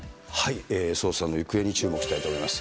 捜査の行方に注目したいと思います。